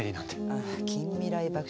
ああ近未来爆笑。